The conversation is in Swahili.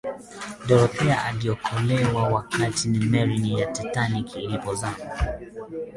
dorothy aliokolewa wakati meli ya titanic ilipozama